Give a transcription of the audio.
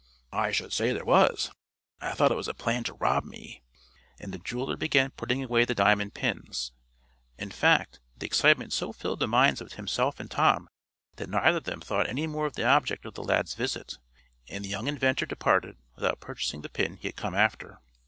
"I should say there was. I thought it was a plan to rob me," and the jeweler began putting away the diamond pins. In fact, the excitement so filled the minds of himself and Tom that neither of them thought any more of the object of the lad's visit, and the young inventor departed without purchasing the pin he had come after.